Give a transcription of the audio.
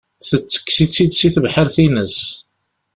Tettekkes-itt-id si tebḥirt-ines.